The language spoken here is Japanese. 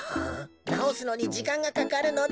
なおすのにじかんがかかるのだ。